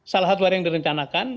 salah satu ada yang direncanakan